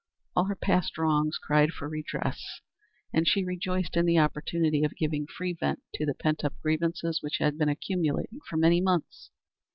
All her past wrongs cried for redress, and she rejoiced in the opportunity of giving free vent to the pent up grievances which had been accumulating for many months.